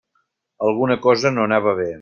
Alguna cosa no anava bé.